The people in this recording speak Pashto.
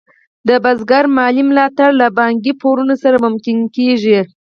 د بزګر مالي ملاتړ له بانکي پورونو سره ممکن کېږي.